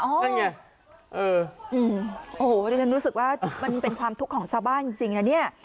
นั่นไงเออโอ้โหดิฉันรู้สึกว่ามันเป็นความทุกข์ของชาวบ้านจริงนะเนี่ย